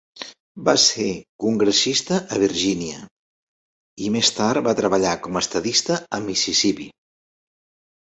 Va ser congressista a Virginia, i més tard va treballar com a estadista a Mississipí.